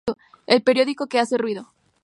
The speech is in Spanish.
El periódico que hace ruido.